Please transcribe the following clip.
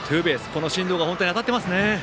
この進藤が本当に当たってますね。